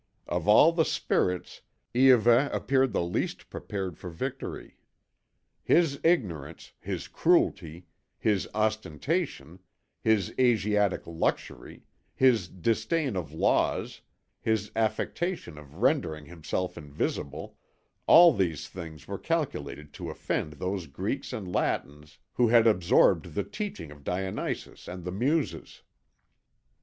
Of all the spirits, Iahveh appeared the least prepared for victory. His ignorance, his cruelty, his ostentation, his Asiatic luxury, his disdain of laws, his affectation of rendering himself invisible, all these things were calculated to offend those Greeks and Latins who had absorbed the teaching of Dionysus and the Muses.